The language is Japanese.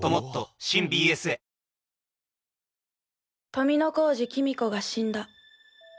富小路公子が死んだ。